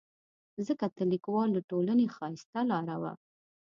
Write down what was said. ځکه تر لیکوالو ټولنې ښایسته لاره وه.